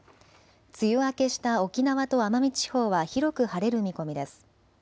梅雨明けした沖縄と奄美地方は広く晴れる見込みです。